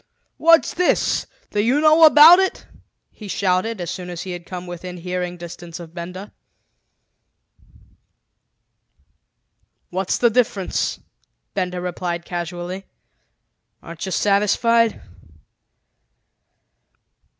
"What's this? Do you know about it?" he shouted as soon as he had come within hearing distance of Benda. "What's the difference?" Benda replied casually. "Aren't you satisfied?"